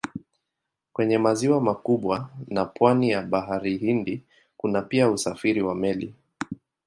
Kwenye maziwa makubwa na pwani ya Bahari Hindi kuna pia usafiri wa meli.